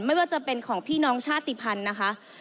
ไม่ว่าจะเป็นของพี่น้องชาติภัณฑ์นะคะ